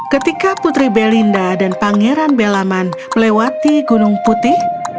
ketika putri belinda dan pangeran belaman melewati gunung putih